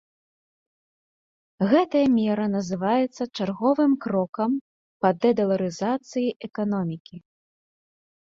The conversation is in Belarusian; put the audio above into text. Гэтая мера называецца чарговым крокам па дэдаларызацыі эканомікі.